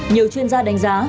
nhiều chuyên gia đánh giá